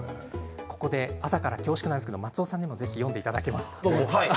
ここで朝から恐縮なんですが松尾さんにも読んでいただけますか？